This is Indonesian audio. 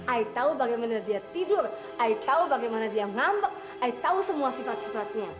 ay tau bagaimana dia tidur ay tau bagaimana dia ngambek ay tau semua sifat sifatnya